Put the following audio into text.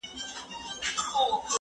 هغه وویل چې منډه ښه ده!!